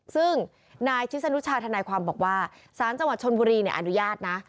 ซึ่งนายชิสนุชาธนายความบอกว่าสารจังหวัดชนบุรีอนุญาตนะ